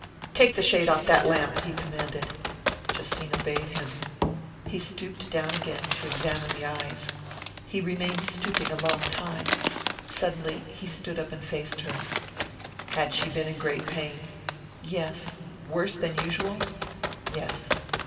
"Take the shade off that lamp!" he commanded. Justine obeyed him. He stooped down again to examine the eyes...he remained stooping a long time. Suddenly he stood up and faced her. "Had she been in great pain?" "Yes." "Worse than usual?" "Yes."